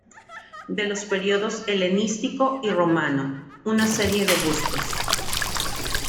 De los periodos helenístico y romano, una serie de bustos.